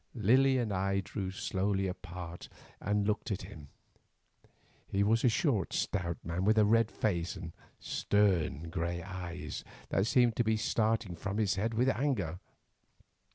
Lily and I drew slowly apart and looked at him. He was a short stout man, with a red face and stern grey eyes, that seemed to be starting from his head with anger.